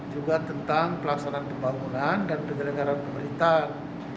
juga tentang pelaksanaan pembangunan dan penyelenggaran pemerintahan